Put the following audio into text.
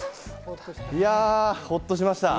いや、ホッとしました。